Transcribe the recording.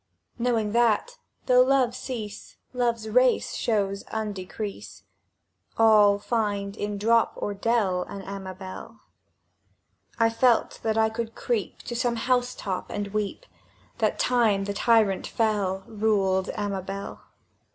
— Knowing that, though Love cease, Love's race shows undecrease; All find in dorp or dell An Amabel. —I felt that I could creep To some housetop, and weep, That Time the tyrant fell Ruled Amabel!